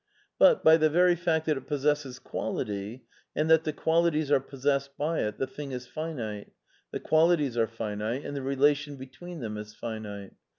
But, by the very fact that it possesses quality and that the qualities are possessed by it, the thing is finite, the qualities are finite, and the relation between them is finite.